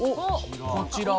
こちらは。